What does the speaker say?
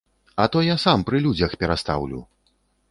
А то я сам пры людзях перастаўлю.